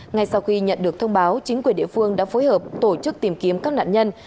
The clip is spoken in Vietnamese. ngay sau khi nhận được thông báo chính quyền địa phương đã phối hợp tổ chức tìm kiếm các nạn nhân